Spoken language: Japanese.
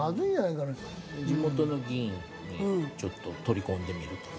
地元の議員にちょっと取り込んでみるとか。